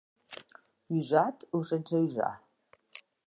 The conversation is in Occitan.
Usat o sense usar?